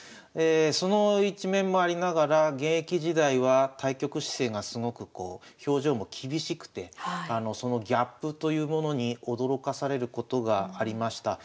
その一面もありながら現役時代は対局姿勢がすごくこう表情も厳しくてそのギャップというものに驚かされることがありました。